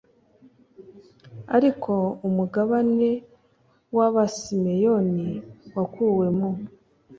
ariko umugabane w abasimeyoni wakuwe mu